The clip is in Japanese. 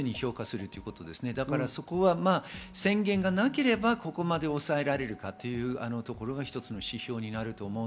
そこは宣言がなければ、ここまで抑えられるのかというところが一つの指標です。